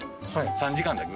３時間だけ！